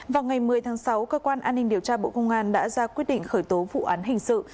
vào ngày một mươi tháng sáu cơ quan an ninh điều tra bộ công an đã ra quyết định khởi tố vụ án hình sự